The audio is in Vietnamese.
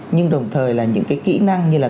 nhưng đồng thời là những cái kỹ năng như là